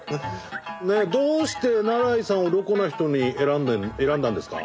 どうして那良伊さんをロコな人に選んだんですか？